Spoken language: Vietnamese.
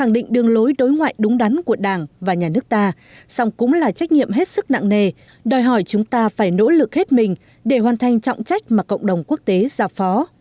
đường lối đối ngoại đúng đắn của đảng và nhà nước ta song cúng là trách nhiệm hết sức nặng nề đòi hỏi chúng ta phải nỗ lực hết mình để hoàn thành trọng trách mà cộng đồng quốc tế giả phó